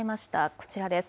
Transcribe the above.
こちらです。